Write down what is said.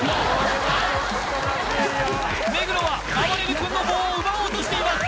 目黒はあばれる君の棒を奪おうとしています